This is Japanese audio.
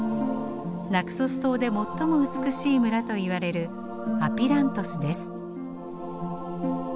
ナクソス島で最も美しい村といわれるアピラントスです。